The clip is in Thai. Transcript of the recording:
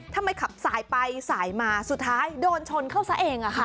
ทำไมขับสายไปสายมาสุดท้ายโดนชนเข้าซะเอง